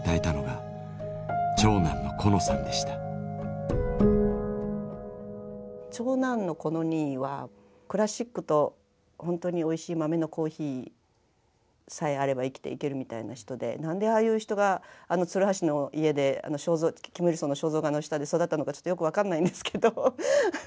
長男のコノ兄はクラシックと本当においしい豆のコーヒーさえあれば生きていけるみたいな人でなんでああいう人があの鶴橋の家でキムイルソンの肖像画の下で育ったのかちょっとよく分かんないんですけど。